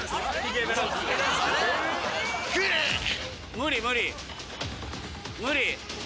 無理無理無理。